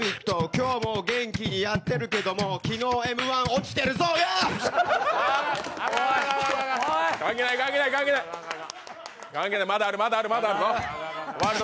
今日も元気にやってるけど昨日「Ｍ−１」落ちてるぞ、イエイ！